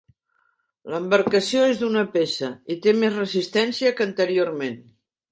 L'embarcació és d'una peça i té més resistència que anteriorment.